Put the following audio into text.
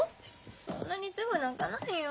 そんなにすぐ泣かないよ。